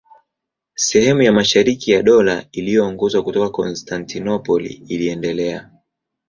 Sehemu ya mashariki ya Dola iliyoongozwa kutoka Konstantinopoli iliendelea.